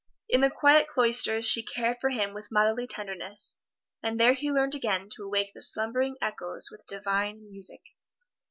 In the quiet cloisters she cared for him with motherly tenderness, and there he learned again to awake the slumbering echoes with divine music.